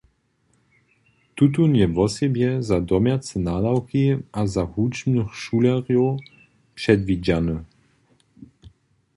Tutón je wosebje za domjace nadawki a za hudźbnych šulerjow předwidźany.